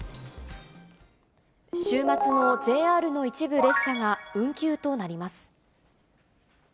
週末のＪＲの一部列車が運休となります。